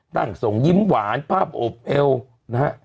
ส่งยิ้มหวานภาพอบเอวนะฮะ